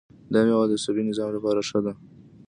دا میوه د عصبي نظام لپاره ښه ده.